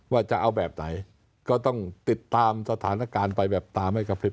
ว่าจะเอาแบบไหนก็ต้องติดตามสถานการณ์ไปแบบตามให้กระพริบ